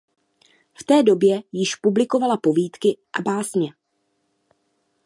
V té době již publikovala povídky a básně.